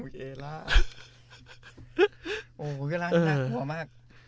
วิเอลล่า